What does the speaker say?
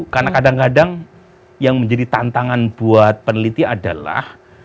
karena kadang kadang yang menjadi tantangan buat peneliti adalah